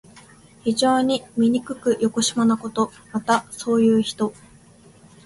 非常にみにくくよこしまなこと。また、そういう人。